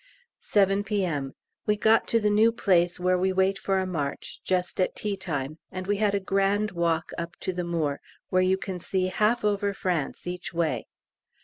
7 P.M. We got to the new place where we wait for a marche, just at tea time, and we had a grand walk up to the moor, where you can see half over France each way.